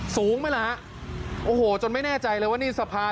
สูงไหมล่ะฮะโอ้โหจนไม่แน่ใจเลยว่านี่สภา